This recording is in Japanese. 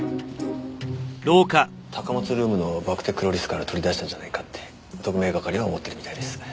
高松ルームのバクテクロリスから取り出したんじゃないかって特命係は思ってるみたいです。